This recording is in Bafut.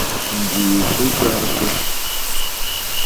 Ǹjì yì ɨ jɛrɨkə.